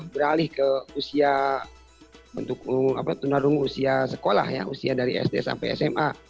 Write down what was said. beralih ke usia bentuk tunarungu usia sekolah ya usia dari sd sampai sma